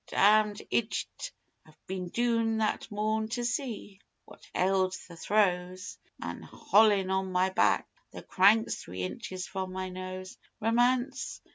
Damned ijjit! I'd been doon that morn to see what ailed the throws, Manholin', on my back the cranks three inches from my nose. Romance!